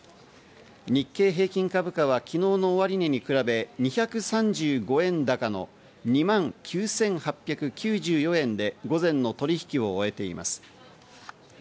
日経平均株価は昨日の終値に比べ、２３５円高の２万９８９４円で午前の取引を終えています。